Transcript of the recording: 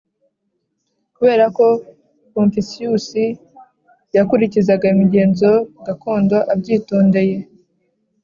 kubera ko confucius yakurikizaga imigenzo gakondo abyitondey